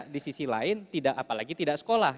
di sisi lain tidak apa lagi tidak sekolah